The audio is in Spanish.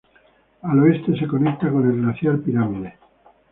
Al oeste se conecta con el glaciar Pirámide.